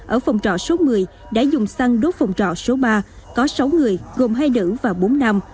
ở phòng trọ số một mươi đã dùng xăng đốt phòng trọ số ba có sáu người gồm hai nữ và bốn nam